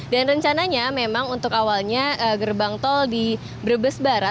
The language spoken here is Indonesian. dan rencananya memang untuk awalnya gerbang tol di brebesbar